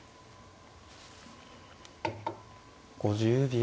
５０秒。